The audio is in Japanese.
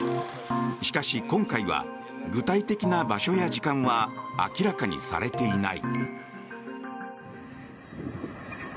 しかし、今回は具体的な場所や時間は明らかにされていない。